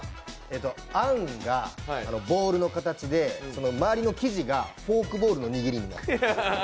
あんがボールの形で周りの生地がフォークボールの握りになっている。